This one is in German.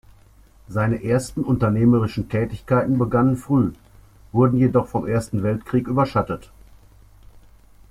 Seine ersten unternehmerischen Tätigkeiten begannen früh, wurden jedoch vom Ersten Weltkrieg überschattet.